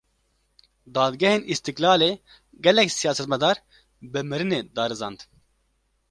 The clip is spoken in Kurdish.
Dadgehên Îstîklalê, gelek siyasetmedar bi mirinê darizand